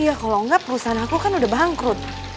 iya kalau enggak perusahaan aku kan udah bangkrut